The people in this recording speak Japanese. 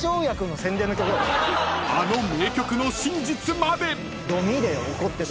［あの名曲の真実まで！］